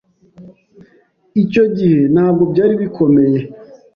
Icyo gihe ntabwo byari bikomeye